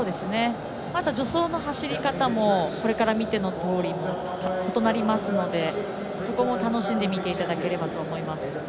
助走の走り方もこれから見てのとおり異なりますのでそこも楽しんで見ていただければと思います。